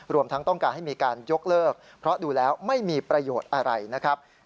รวมทั้งต้องการให้มีการยกเลิกเพราะดูแล้วไม่มีประโยชน์อะไรนะครับ